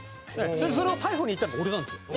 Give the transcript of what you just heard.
そしてそれを逮捕に行ったのが俺なんですよ。